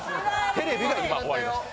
テレビが今、終わりました。